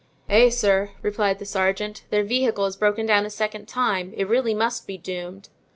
"Eh, sir!" replied the sergeant, "their vehicle has broken down a second time; it really must be doomed."